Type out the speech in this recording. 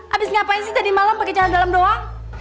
abis ngapain sih tadi malem pake channel dalam doang